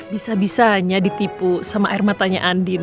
bisa bisanya ditipu sama air matanya andin